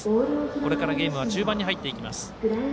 これからゲームは中盤に入っていきます。